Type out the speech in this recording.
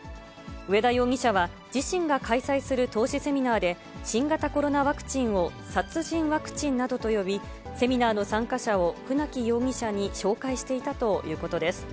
上田容疑者は自身が開催する投資セミナーで、新型コロナワクチンを殺人ワクチンなどと呼び、セミナーの参加者を船木容疑者に紹介していたということです。